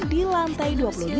di lantai dua puluh dua